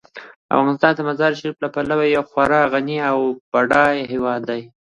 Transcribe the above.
افغانستان د مزارشریف له پلوه یو خورا غني او بډایه هیواد دی.